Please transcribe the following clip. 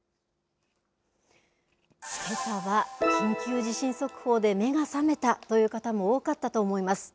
けさは緊急地震速報で目が覚めたという方も多かったと思います。